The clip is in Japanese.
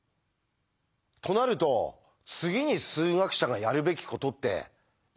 となると次に数学者がやるべきことって一体何だと思います？